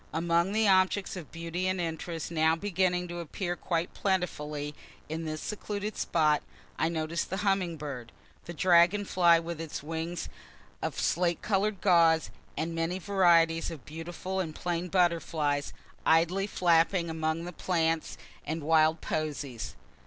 Among the objects of beauty and interest now beginning to appear quite plentifully in this secluded spot, I notice the humming bird, the dragon fly with its wings of slate color'd guaze, and many varieties of beautiful and plain butterflies, idly flapping among the plants and wild posies.